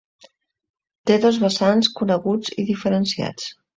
Té dos vessants coneguts i diferenciats.